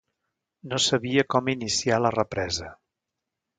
No sabia com iniciar la represa.